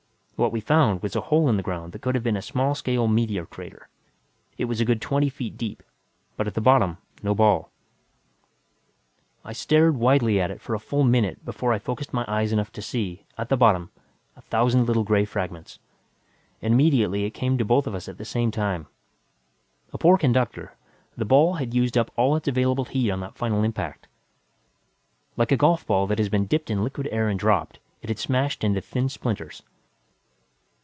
What we found was a hole in the ground that could have been a small scale meteor crater. It was a good twenty feet deep. But at the bottom, no ball. I stared wildly at it for a full minute before I focused my eyes enough to see, at the bottom, a thousand little gray fragments. And immediately it came to both of us at the same time. A poor conductor, the ball had used up all its available heat on that final impact. Like a golfball that has been dipped in liquid air and dropped, it had smashed into thin splinters.